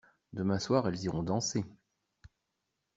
Demain soir elles iront danser.